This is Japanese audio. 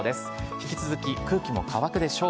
引き続き空気も乾くでしょう。